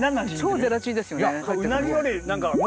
超ゼラチンですよね。